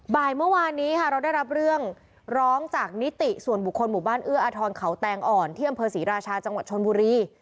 บ่ายเมื่อวานนี้ค่ะเราได้รับเรื่องร้องจากนิติส่วนบุคคลหมู่บ้านเอื้ออาทรเขาแตงอ่อนที่อำเภอศรีราชาจังหวัดชนบุรี